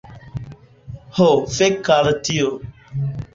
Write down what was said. Ho fek al tio!